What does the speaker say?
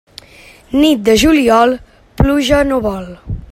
Nit de juliol, pluja no vol.